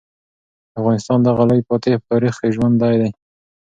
د افغانستان دغه لوی فاتح په تاریخ کې ژوندی دی.